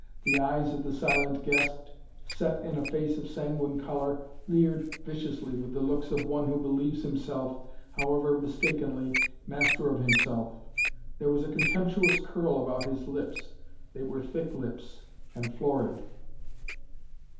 The eyes of the silent guest, set in a face of sanguine color, leered viciously, with the looks of one who believes himself, however mistakenly, master of himself. There was a contemptuous curl about his lips. They were thick lips and florid.